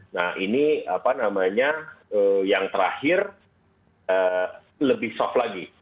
nah ini apa namanya yang terakhir lebih soft lagi